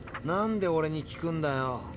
なんでおれに聞くんだよ。